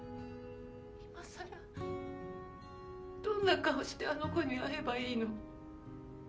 ・今更どんな顔してあの子に会えばいいの？